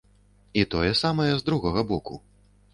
І тое самае з другога боку.